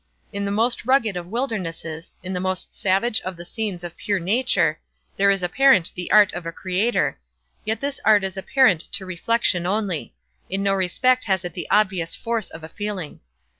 In the most rugged of wildernesses—in the most savage of the scenes of pure nature—there is apparent the art of a creator; yet this art is apparent to reflection only; in no respect has it the obvious force of a feeling.